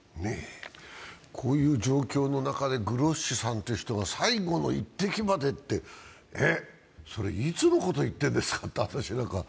こういう状況の中でグロッシさんという人が最後の一滴までって、それ、いつのこと言ってるんですかって、私なんか。